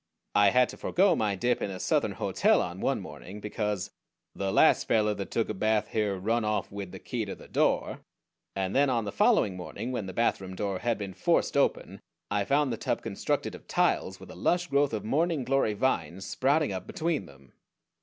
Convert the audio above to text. I had to forego my dip in a Southern hotel on one morning because "the last feller that took a bath here run off with the key to the door," and then on the following morning when the bathroom door had been forced open I found the tub constructed of tiles, with a lush growth of morning glory vines sprouting up between them.